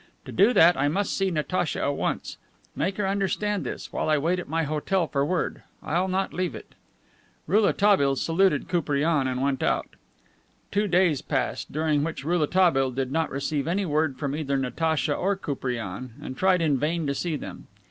To do that I must see Natacha at once. Make her understand this, while I wait at my hotel for word. I'll not leave it." Rouletabille saluted Koupriane and went out. Two days passed, during which Rouletabille did not receive any word from either Natacha or Koupriane, and tried in vain to see them.